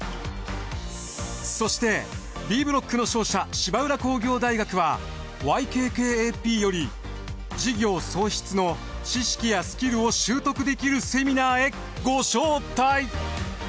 そしてＢブロックの勝者芝浦工業大学はＹＫＫＡＰより事業創出の知識やスキルを習得できるセミナーへご招待。